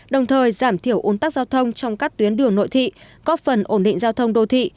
đồng thời giảm thiểu ốn tắc giao thông trong các tuyến đường nội thị góp phần ổn định giao thông đô thị